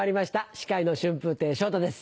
司会の春風亭昇太です。